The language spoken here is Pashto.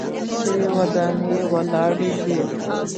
ښې ودانۍ ولاړې دي.